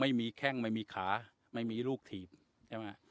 ไม่มีแข้งไม่มีขาไม่มีลูกถีบใช่ไหม